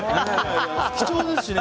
貴重ですしね。